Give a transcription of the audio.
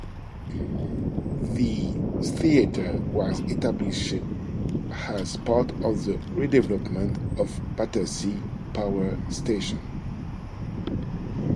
The theatre was established as part of the redevelopment of Battersea Power Station.